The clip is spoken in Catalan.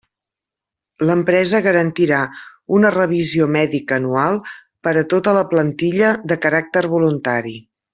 L'empresa garantirà una revisió mèdica anual per a tota la plantilla de caràcter voluntari.